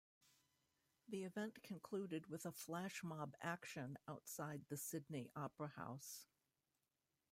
The event concluded with a flashmob action outside the Sydney Opera House.